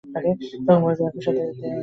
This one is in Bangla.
তখন মহিলা তার সাথে থাকাকেই বেছে নিলেন।